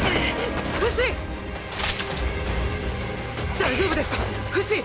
大丈夫ですか⁉フシ！